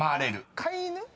「飼い犬」？